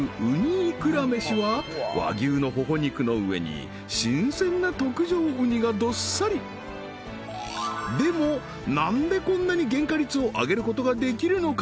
いくら飯は和牛の頬肉の上に新鮮な特上雲丹がどっさりでも何でこんなに原価率を上げることができるのか？